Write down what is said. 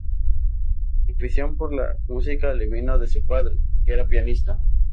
La afición por la música le vino de su padre, que era pianista.